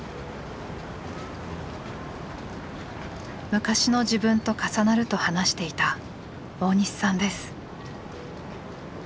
昔の自分と重なると話していた大西さんです。